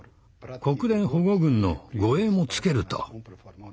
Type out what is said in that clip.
国連保護軍の護衛もつけると。